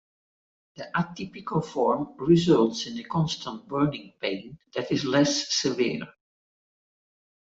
The atypical form results in a constant burning pain that is less severe.